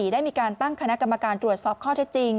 ได้มีการตั้งคณะกรรมการตรวจสอบข้อเท็จจริง